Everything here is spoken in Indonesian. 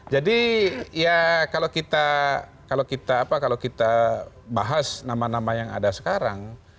ya kalau kita bahas nama nama yang ada sekarang